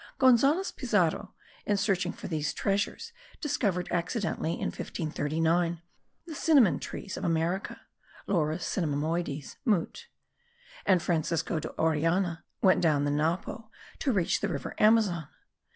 Gonzales Pizarro, in searching for these treasures, discovered accidentally, in 1539, the cinnamon trees of America (Laurus cinnamomoides, Mut.); and Francisco de Orellana went down the Napo, to reach the river Amazon.